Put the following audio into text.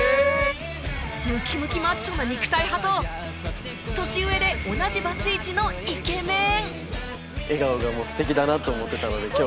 ムキムキマッチョな肉体派と年上で同じバツイチのイケメン